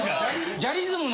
ジャリズムの。